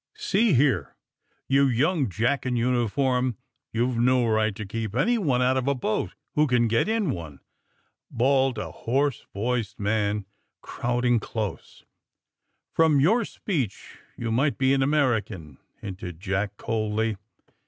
See here, you young jack in uniform, youVe no right to keep anyone out of a boat who can get in one !'' bawled a hoarse voiced man, crowd ing close. ^^From your speech you might be an Ameri can 1" hinted Jack coldly.